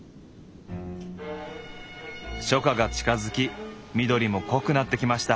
初夏が近づき緑も濃くなってきました。